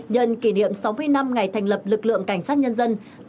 nhân kỷ niệm sáu mươi năm ngày thành lập lực lượng cảnh sát nhân dân